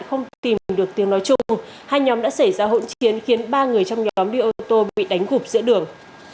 không tìm được tiếng nói chung hai nhóm đã xảy ra hỗn chiến khiến ba người trong nhóm đi ô tô bị đánh gục giữa đường